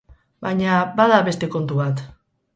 Baina, bada beste kontu bat.